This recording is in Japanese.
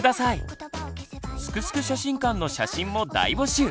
「すくすく写真館」の写真も大募集！